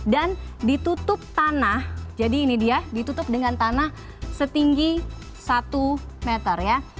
dan ditutup tanah jadi ini dia ditutup dengan tanah setinggi satu meter ya